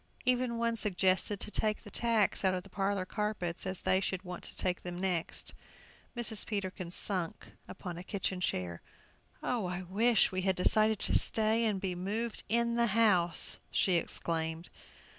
Even one suggested to take the tacks out of the parlor carpets, as they should want to take them next. Mrs. Peterkin sunk upon a kitchen chair. "Oh, I wish we had decided to stay and be moved in the house!" she exclaimed.